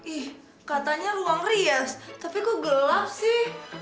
ih katanya ruang rias tapi gue gelap sih